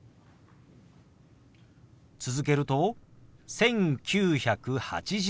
続けると「１９８０」。